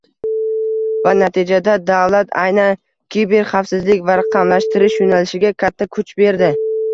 va natijada davlat aynan kiberxavfsizlik va raqamlashtirish yoʻnalishiga katta kuch berdi.